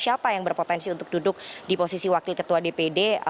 siapa yang berpotensi untuk duduk di posisi wakil ketua dpd